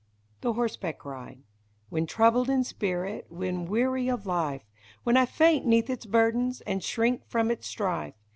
THE HORSEBACK RIDE. Whex troubled in spirit, when weary of life. When I faint 'neath its burdens, and shrink from its strife.